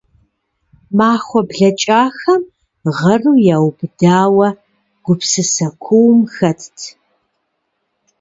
Махуэ блэкӏахэм гъэру яубыдауэ, гупсысэ куум хэтт.